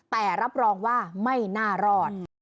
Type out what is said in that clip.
แต่รับรองว่าไม่น่ารอด